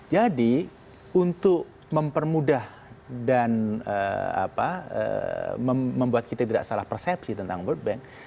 jadi untuk mempermudah dan membuat kita tidak salah persepsi tentang world bank